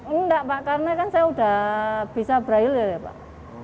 enggak pak karena kan saya sudah bisa braille ya pak